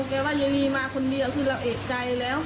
แกว่ายังมีมาคนเดียวคือเราเอกใจแล้ว